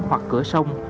hoặc cửa sông